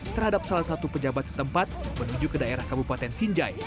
terhadap salah satu pejabat setempat menuju ke daerah kabupaten sinjai